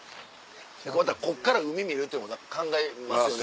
またこっから海見るってのも考えますよね。